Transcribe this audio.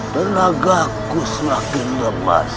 tenagaku semakin lemas